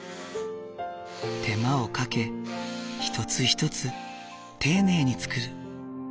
手間をかけ一つ一つ丁寧に作る。